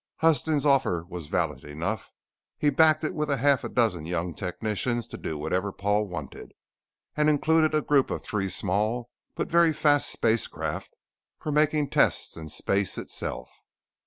Huston's offer was valid enough; he backed it with a half dozen young technicians to do whatever Paul wanted, and included a group of three small but very fast spacecraft for making tests in space itself.